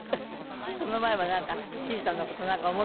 その前はなんかしずちゃんの事なんか思っていたの？